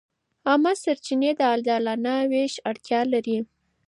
عامه سرچینې د عادلانه وېش اړتیا لري.